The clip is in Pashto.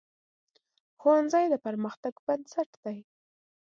ښوونځی د پرمختګ بنسټ دی